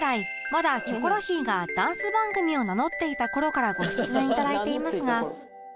まだ『キョコロヒー』がダンス番組を名乗っていた頃からご出演いただいていますが